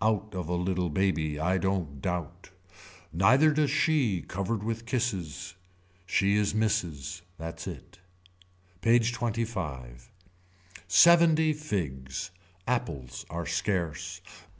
Out of a little baby I don't doubt. Neither does she covered with kisses. She is misses. That's it. PAGE XXV. Seventy figs. Apples are scarce.